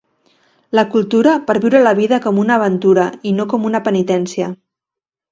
La cultura per viure la vida com una aventura i no com una penitència.